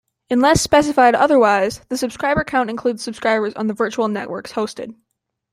Unless specified otherwise the subscriber count includes subscribers on the virtual networks hosted.